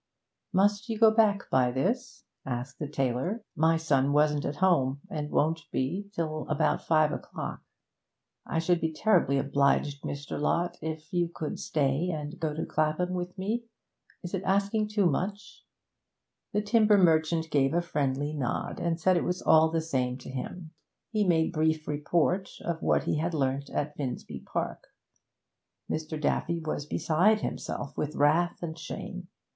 'Must you go back by this?' asked the tailor. 'My son wasn't at home, and won't be till about five o'clock. I should be terribly obliged, Mr. Lott, if you could stay and go to Clapham with me. Is it asking too much?' The timber merchant gave a friendly nod, and said it was all the same to him. Then, in reply to anxious questions, he made brief report of what he had learnt at Finsbury Park. Mr. Daffy was beside himself with wrath and shame.